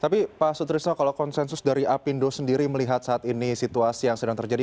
tapi pak sutrisno kalau konsensus dari apindo sendiri melihat saat ini situasi yang sedang terjadi